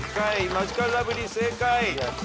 マヂカルラブリー正解。